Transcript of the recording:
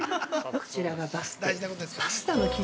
◆こちらがパスティ。